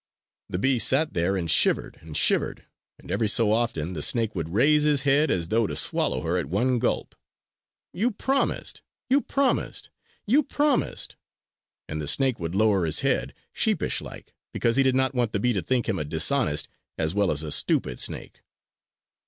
The bee sat there and shivered and shivered; and every so often the snake would raise his head as though to swallow her at one gulp. "You promised! You promised! You promised!" And the snake would lower his head, sheepishlike, because he did not want the bee to think him a dishonest, as well as a stupid snake.